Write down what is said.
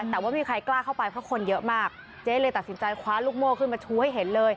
แต่ว่าไม่มีใครกล้าเข้าไปเพราะคนเยอะมากเจ๊เลยตัดสินใจคว้าลูกโม่ขึ้นมาชูให้เห็นเลย